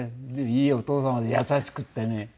いいお父様で優しくてね。